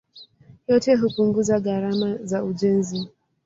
Yote hupunguza gharama za ujenzi.